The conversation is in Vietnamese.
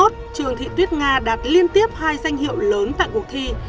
trường thị tuyết nga đạt liên tiếp hai danh hiệu lớn tại cuộc thi